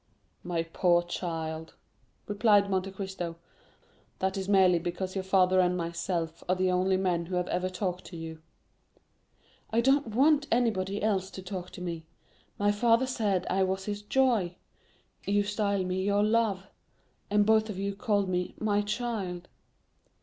"My poor child," replied Monte Cristo, "that is merely because your father and myself are the only men who have ever talked to you." "I don't want anybody else to talk to me. My father said I was his 'joy'—you style me your 'love,'—and both of you have called me 'my child.